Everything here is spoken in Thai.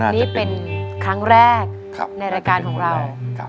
นี่เป็นครั้งแรกในรายการของเรา